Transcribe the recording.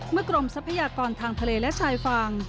เมื่อกรมทรัพยากรทางเผลยและชายฝั่ง